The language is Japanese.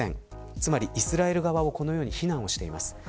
つまり、イスラエル側をこのように非難しています。